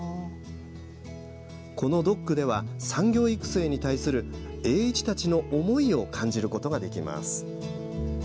このドックでは産業育成に対する栄一たちの思いを感じることができます。